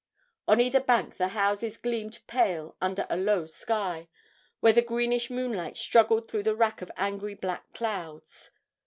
On either bank the houses gleamed pale under a low sky, where the greenish moonlight struggled through a rack of angry black clouds.